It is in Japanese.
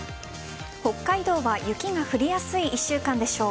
北海道は雪が降りやすい１週間でしょう。